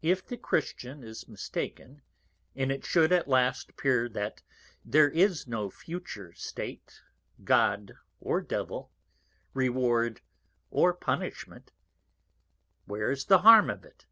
If the Christian is mistaken, and it should at last appear that there is no Future State, God or Devil, Reward or Punishment, where is the Harm of it?